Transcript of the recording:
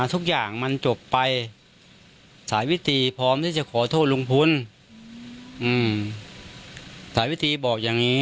ทุกอย่างมันจบไปสายวิธีพร้อมที่จะขอโทษลุงพลสายวิธีบอกอย่างนี้